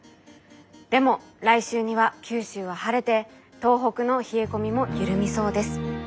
でも来週には九州は晴れて東北の冷え込みも緩みそうです。